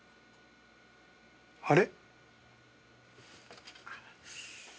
あれ？